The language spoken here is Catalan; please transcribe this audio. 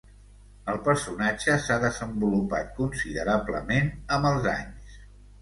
El personatge s'ha desenvolupat considerablement amb els anys.